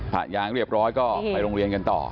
ปากยางเรียบร้อยไปโรงเรียนต่อ